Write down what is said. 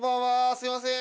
すいません。